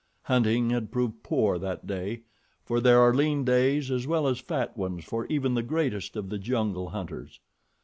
Hunting had proved poor that day, for there are lean days as well as fat ones for even the greatest of the jungle hunters.